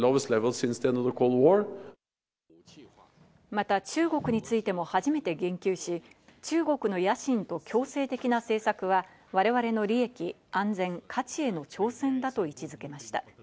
また中国についても初めて言及し、中国の野心と強制的な政策は我々の利益、安全、価値への挑戦だと位置付けました。